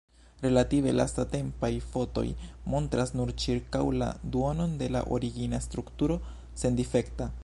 Relative lastatempaj fotoj montras nur ĉirkaŭ la duonon de la origina strukturo sendifekta.